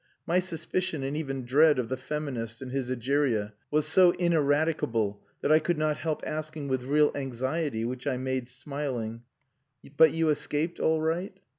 My suspicion and even dread of the feminist and his Egeria was so ineradicable that I could not help asking with real anxiety, which I made smiling "But you escaped all right?"